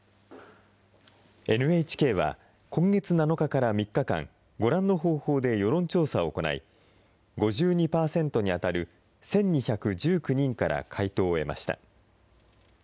ＮＨＫは今月７日から３日間、ご覧の方法で世論調査を行い、５２％に当たる１２１９人から回答を得ました。